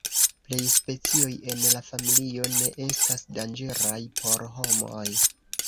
Plej specioj en la familio ne estas danĝeraj por homoj.